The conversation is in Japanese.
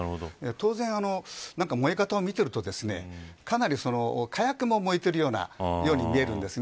当然、燃え方を見ているとかなり火薬も燃えているように見えるんです。